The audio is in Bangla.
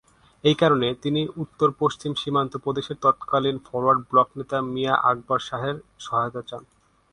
এই কারণে, তিনি উত্তর-পশ্চিম সীমান্ত প্রদেশের তৎকালীন ফরোয়ার্ড ব্লক নেতা মিয়া আকবর শাহের সহায়তায় চান।